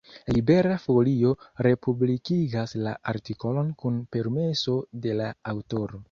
Libera Folio republikigas la artikolon kun permeso de la aŭtoro.